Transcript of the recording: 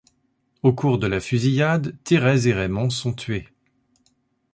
Au cours de la fusillade, Thérèse et Raymond sont tués.